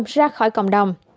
ra khỏi cộng đồng